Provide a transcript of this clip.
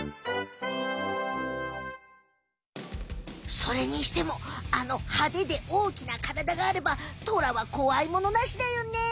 それにしてもあの派手でおおきなからだがあればトラは怖いものなしだよね！